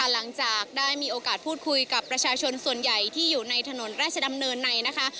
หลังจากได้มีโอกาสพูดคุยกับประชาชนส่วนใหญ่ที่อยู่ในถนนราชดำเนินในนะคะ